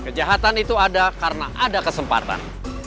kejahatan itu ada karena ada kesempatan